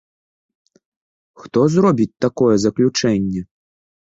Хто зробіць такое заключэнне?